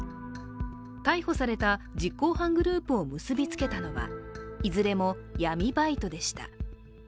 逮捕された実行犯グループを結びつけたのは、いずれも闇バイトでした。